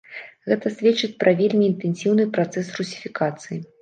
Гэта сведчыць пра вельмі інтэнсіўны працэс русіфікацыі.